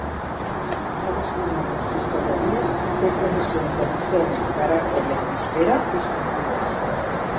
Cadascuna de les cristalleries té tradicions de disseny, caràcter i atmosfera distintives.